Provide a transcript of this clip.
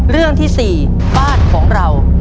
เรื่องที่๔บ้านของเรา